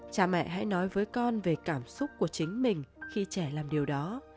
cha mẹ hãy nói với con về cảm xúc của chính mình khi trẻ làm điều đó